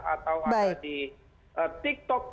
atau di tiktok